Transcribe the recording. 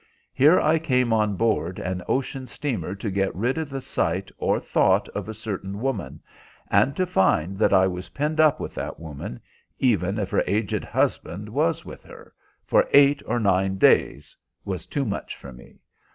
Here I came on board an ocean steamer to get rid of the sight or thought of a certain woman, and to find that I was penned up with that woman, even if her aged husband was with her, for eight or nine days, was too much for me.